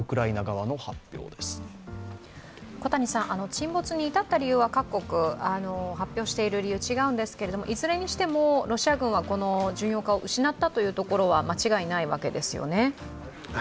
沈没に至った理由は各国発表している理由違うんですけれどもいずれにしても、ロシア軍は巡洋艦を失ったというところは間違いないわけですよね。